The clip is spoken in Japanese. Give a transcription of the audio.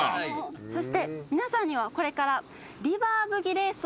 そして皆さんにはこれから。